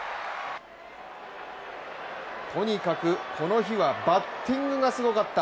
とにかく、この日はバッティングがすごかった。